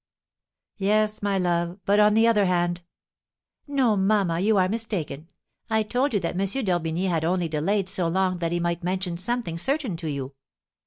"Yes, my love; but on the other hand " "No, mamma, you are mistaken; I told you that M. d'Orbigny had only delayed so long that he might mention something certain to you.